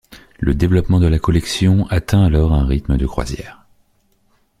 Le développement de la collection atteint alors un rythme de croisière.